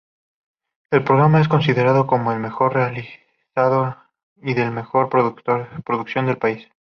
El programa es considerado como el mejor realizado y de mejor producción del país.